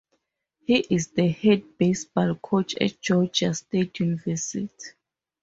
He is the head baseball coach at Georgia State University.